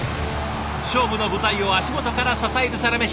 勝負の舞台を足元から支えるサラメシ